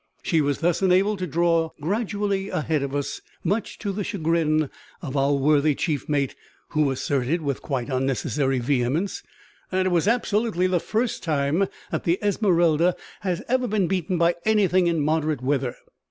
She was thus enabled to draw gradually ahead of us, much to the chagrin of our worthy chief mate, who asserted, with quite unnecessary vehemence, that it was absolutely the first time that the Esmeralda had ever been beaten by anything in moderate weather.